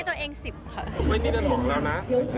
โบ๊ยนี่มันห่วงเรานะ